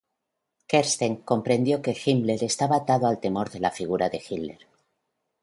Kersten comprendió que Himmler estaba atado al temor de la figura de Hitler.